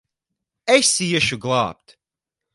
Es iešu glābt!